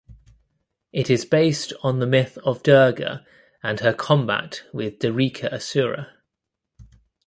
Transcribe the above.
It is based on the myth of durga and her combat with Darika asura.